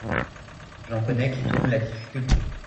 J'en connais qui tournent la difficulté.